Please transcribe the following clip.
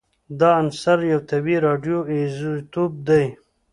دا عنصر یو طبیعي راډیو ایزوتوپ دی